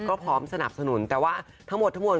ก็พร้อมสนับสนุนแต่ว่าทั้งหมดทั้งมวล